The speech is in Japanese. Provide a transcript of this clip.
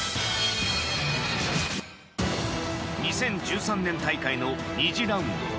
２０１３年大会の２次ラウンド。